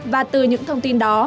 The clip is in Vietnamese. và từ những thông tin đó